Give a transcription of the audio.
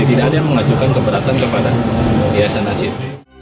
tidak ada yang mengajukan keberatan kepada hiasan act